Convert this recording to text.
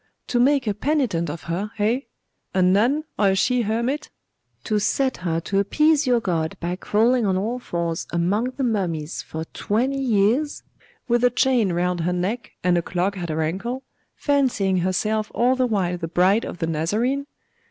'To make a penitent of her, eh? a nun, or a she hermit; to set her to appease your God by crawling on all fours among the mummies for twenty years, with a chain round her neck and a clog at her ankle, fancying herself all the while the bride of the Nazarene?